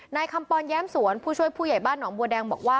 นายคำปอนแย้มสวนผู้ช่วยผู้ใหญ่บ้านหนองบัวแดงบอกว่า